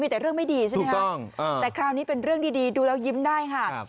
ไว้เป็นยังไงมันมีแต่เรื่องไม่ดีใช่มะคะแต่คราวนี้เป็นเรื่องดีดูแล้วยิ้มได้ฮะ